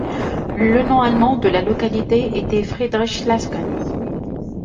Le nom allemand de la localité était Friedrichsläsgen.